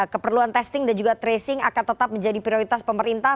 keperluan testing dan juga tracing akan tetap menjadi prioritas pemerintah